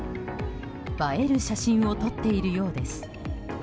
映える写真を撮っているようです。